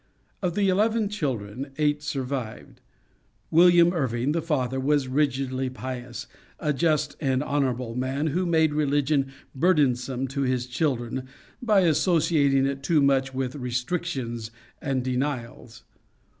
Of the eleven children eight survived. William Irving, the father, was rigidly pious, a just and honorable man, who made religion burdensome to his children by associating it too much with restrictions and denials.